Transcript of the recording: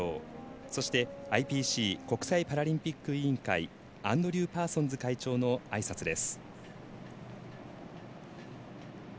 そして、ＩＰＣ＝国際パラリンピック委員会アンドリュー・パーソンズ会長のあいさつです。